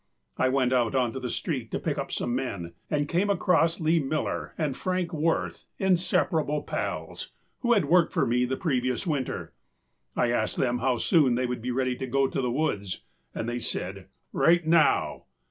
I went out on the street to pick up some men and came across Lee Miller and Frank Wirth, inseparable pals, who had worked for me the previous winter. I asked them how soon they would be ready to go to the woods, and they said, âRight now.